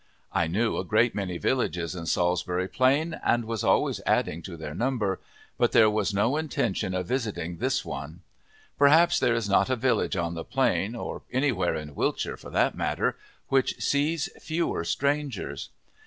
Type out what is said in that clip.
I knew a great many villages in Salisbury Plain, and was always adding to their number, but there was no intention of visiting this one. Perhaps there is not a village on the Plain, or anywhere in Wiltshire for that matter, which sees fewer strangers.